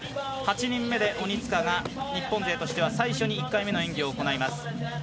８人目で鬼塚が日本勢として最初に１回目の演技を行います。